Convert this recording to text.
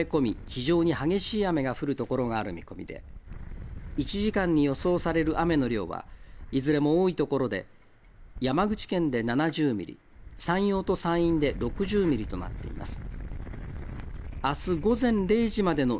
非常に激しい雨が降るところがある見込みで１時間に予想される雨の量はいずれも多いところで山口県で７０ミリ、山陽と山陰で６０ミリとなっています。